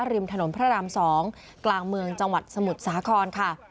ริมถนนพระราม๒กลางเมืองจังหวัดสมุทรสาครค่ะ